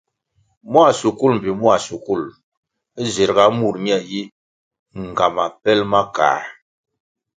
Mua shukul mbpi mua shukul zirʼga mur ñe yi ngama pel ma kā.